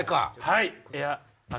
はい。